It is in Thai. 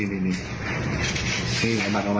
นี่หลายบัตรออกมาแล้ว